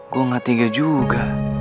gue gak tinggal juga